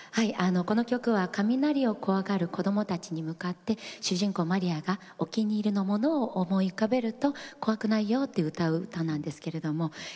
この曲は雷を怖がる子どもたちに向かって主人公のマリアがお気に入りのものを思い浮かべると怖くないという歌なんですね。